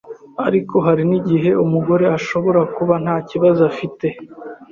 Ariko hari n’igihe umugore ashobora kuba ntakibazo afite